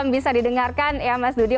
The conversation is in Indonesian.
bisa didengarkan ya mas dudi